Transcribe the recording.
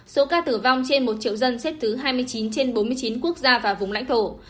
số ca tử vong trên một triệu dân xếp thứ hai mươi chín trên bốn mươi chín quốc gia và vùng lãnh thổ